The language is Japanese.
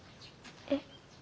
えっ？